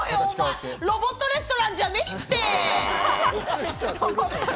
ロボットレストランじゃねえって。